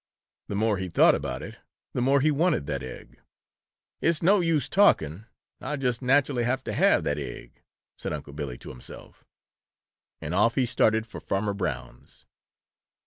The more he thought about it, the more he wanted that egg. "It's no use talking, Ah just naturally has to have that egg," said Unc' Billy to himself, and off he started for Farmer Brown's.